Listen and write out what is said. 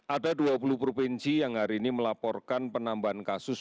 ada dua puluh provinsi yang hari ini melaporkan penambahan kasus